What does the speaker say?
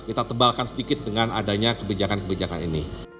kita tebalkan sedikit dengan adanya kebijakan kebijakan ini